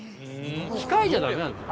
機械じゃ駄目なんですか？